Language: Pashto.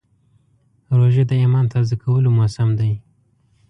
روژه د ایمان تازه کولو موسم دی.